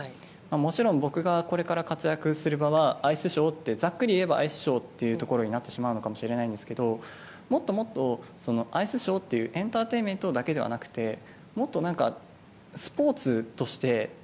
もちろん僕がこれから活躍する場はアイスショーってざっくり言えばアイスショーというところになってしまうのかもしれないんですが、もっともっとアイスショーというエンターテインメントだけじゃなくてもっと、スポーツとして。